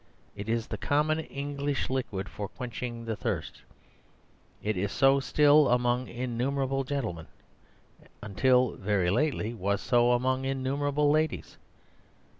It is the common English liquid for quenching the thirst; it is so still among innumerable gentlemen, and, until very lately, was so among innumerable ladies.